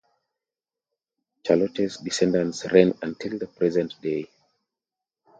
Charlotte's descendants reign until the present day.